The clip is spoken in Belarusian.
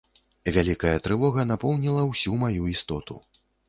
Вялікая трывога напоўніла ўсю маю істоту.